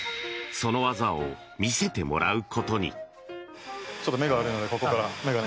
その技を見せてもらうことに。